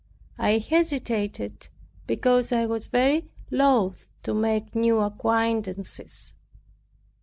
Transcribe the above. I hesitated because I was very loath to make new acquaintances.